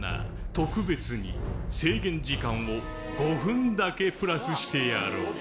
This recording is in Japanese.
特別に制限時間を５分だけプラスしてやろう。